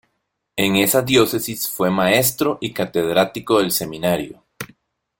En esa diócesis fue maestro y catedrático del Seminario.